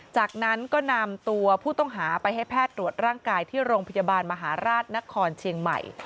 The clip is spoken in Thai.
จากนั้นก็นำตัวผู้ต้องหาไปให้แพทย์ตรวจร่างกายที่โรงพยาบาลมหาราชนครเชียงใหม่